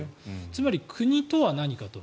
つまり国とは何かと。